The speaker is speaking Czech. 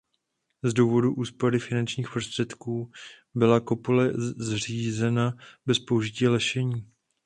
Z důvodu úspory finančních prostředků byla kopule zřízena bez použití lešení.